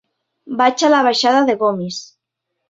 Vaig a la baixada de Gomis.